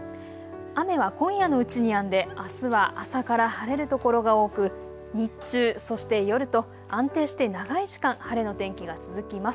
雨は今夜のうちにやんであすは朝から晴れる所が多く日中、そして夜と安定して長い時間晴れの天気が続きます。